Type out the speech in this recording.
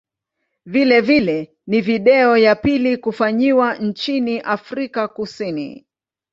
Vilevile ni video ya pili kufanyiwa nchini Afrika Kusini.